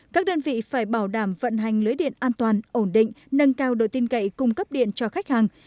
các đơn vị phải bảo đảm vận hành lưới điện an toàn ổn định nâng cao đội tin cậy cung cấp điện cho khách hàng